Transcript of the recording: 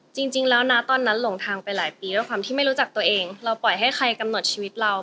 จริงแล้วนะตอนนั้นหลงทางไปหลายปีด้วยความที่ไม่รู้จักตัวเองเราปล่อยให้ใครกำหนดชีวิตเรา